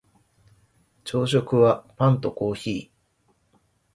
朝食はパンとコーヒー